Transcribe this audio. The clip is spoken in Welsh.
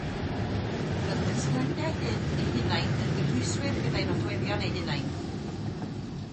Roedd y casgliadau hyn eu hunain yn gynhwyswyr gyda'u nodweddion eu hunain.